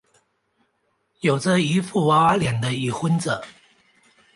有着一副娃娃脸的已婚者。